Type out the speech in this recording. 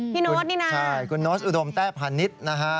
พี่โน๊ตนี่นะใช่คุณโน๊ตอุดมแท่พันธิตนะฮะ